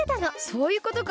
そういうことか。